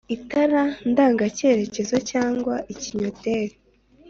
Itara ndangacyerekezoCg ikinnyoteri,